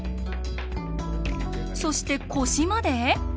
そして腰まで？